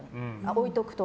置いておくと。